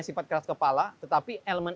sifat keras kepala tetapi elemen